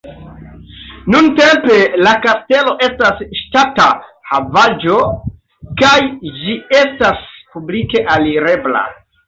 Nuntempe la kastelo estas ŝtata havaĵo kaj ĝi estas publike alirebla.